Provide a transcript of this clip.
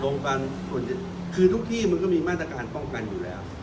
ส่วนใหญ่คือทุกที่มันก็มีมาตรการป้องกันอยู่แล้ว